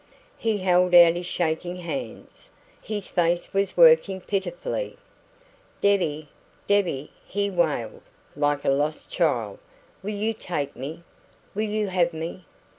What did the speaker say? He held out his shaking hands. His face was working pitifully. "Debbie, Debbie," he wailed, like a lost child, "will you take me? Will you have me?"